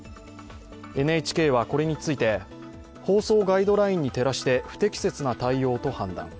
ＮＨＫはこれについて、放送ガイドラインに照らして不適切な対応と判断。